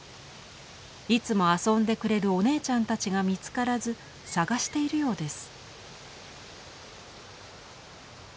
いつも遊んでくれるお姉ちゃんたちが見つからず捜しているようです。